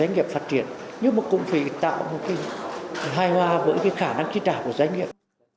doanh nghiệp phát triển nhưng mà cũng phải tạo một cái hai hoa với cái khả năng trí trả của doanh nghiệp